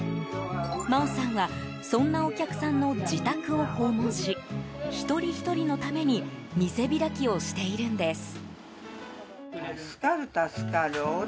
真央さんはそんなお客さんの自宅を訪問し一人ひとりのために店開きをしているんです。